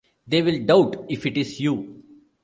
They will doubt if it is you.